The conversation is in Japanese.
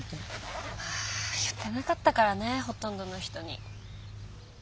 ああ言ってなかったからねほとんどの人に。